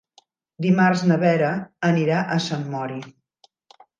Dimarts na Vera anirà a Sant Mori.